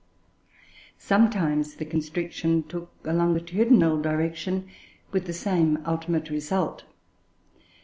Sometimes the constriction took a longitudinal direction, with the same ultimate result.